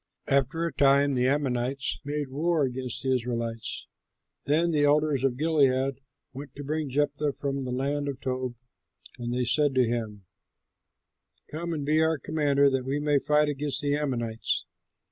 After a time the Ammonites made war against the Israelites. Then the elders of Gilead went to bring Jephthah from the land of Tob, and they said to him, "Come and be our commander, that we may fight against the Ammonites."